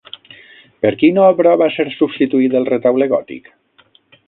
Per quina obra va ser substituït el retaule gòtic?